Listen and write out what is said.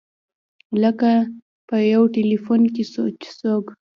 لکه په یو ټیلفون چې څوک.